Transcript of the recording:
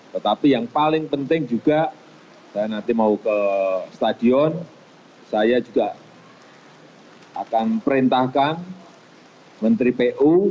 tetapi yang paling penting juga saya nanti mau ke stadion saya juga akan perintahkan menteri pu